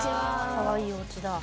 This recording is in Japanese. かわいいおうちだ。